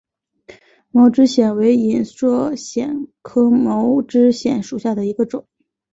毛枝藓为隐蒴藓科毛枝藓属下的一个种。